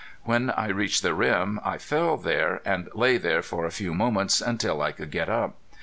When I reached the rim I fell there, and lay there a few moments, until I could get up.